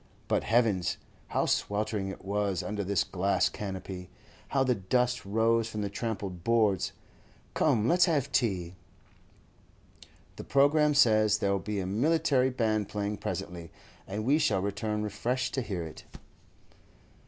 But heavens! how sweltering it was under this glass canopy. How the dust rose from the trampled boards! Come, let's have tea. The programme says there'll be a military band playing presently, and we shall return refreshed to hear it.